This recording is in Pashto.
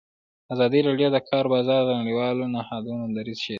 ازادي راډیو د د کار بازار د نړیوالو نهادونو دریځ شریک کړی.